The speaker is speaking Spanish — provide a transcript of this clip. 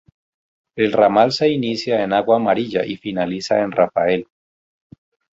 El Ramal se inicia en Agua Amarilla y finaliza en Rafael.